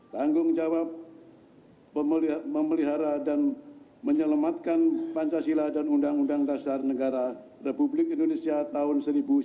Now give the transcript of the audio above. tanggung jawab memelihara dan menyelamatkan pancasila dan undang undang dasar negara republik indonesia tahun seribu sembilan ratus empat puluh lima